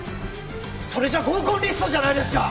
それじゃ合コンリストじゃないですか！